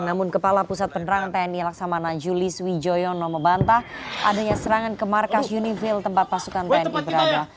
namun kepala pusat penerang tni laksamana julis wijoyono membantah adanya serangan ke markas unifil tempat pasukan tni berada